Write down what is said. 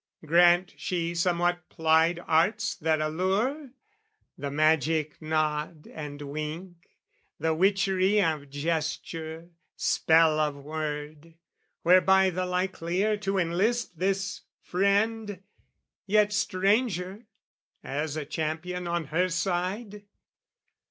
Grant she somewhat plied Arts that allure, the magic nod and wink, The witchery of gesture, spell of word, Whereby the likelier to enlist this friend, Yet stranger, as a champion on her side?